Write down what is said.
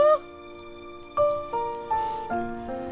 emek itu senang dengarnya